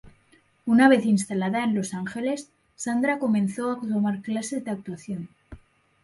Una vez instalada en Los Ángeles, Sandra comenzó a tomar clases de actuación.